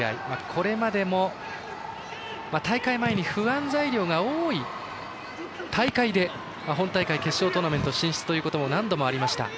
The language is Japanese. これまでも大会前に不安材料が多い大会で、本大会決勝トーナメント進出ということも何度もありました。